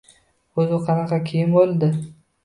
— O’zi, u qanaqa kiyim bo‘ldi?